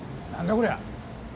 こりゃ。